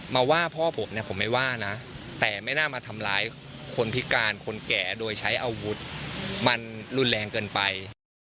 มาว่าพ่อผมเนี่ยผมไม่ว่านะแต่ไม่น่ามาทำร้ายคนพิการคนแก่โดยใช้อาวุธมันรุนแรงเกินไป